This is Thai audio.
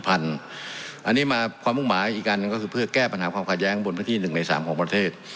อันนี้มาความมุ่งหมายอีกอันหนึ่งก็คือเพื่อแก้ปัญหาความขัดแย้งบนพื้นที่๑ใน๓ของประเทศ